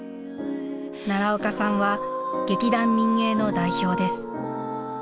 奈良岡さんは「劇団民藝」の代表です。